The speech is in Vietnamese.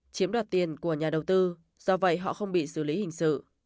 chiếm đoạt tiền của nhà đầu tư do vậy họ không bị xử lý hình sự